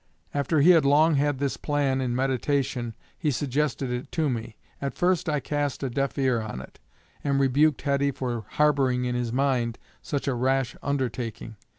After he had long had this plan in meditation he suggested it to me. At first I cast a deaf ear on it, and rebuked Heddy for harboring in his mind such a rash undertaking.